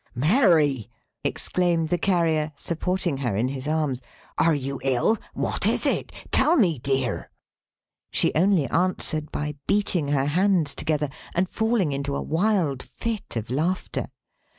"Mary!" exclaimed the Carrier, supporting her in his arms. "Are you ill! what is it? Tell me dear!" She only answered by beating her hands together, and falling into a wild fit of laughter.